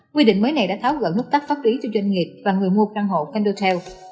nguyên định mới này đã tháo gỡ nút tắt pháp lý cho doanh nghiệp và người mua căn hộ kindertel